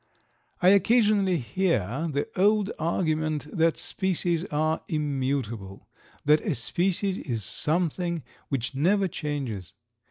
I occasionally hear the old argument that species are immutable—that a species is something which never changes.